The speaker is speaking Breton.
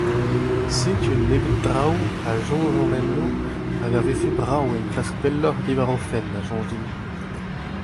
Setu un nebeud traoù a soñjan enno hag a vefe brav enklask pelloc'h diwar o fenn, a soñj din.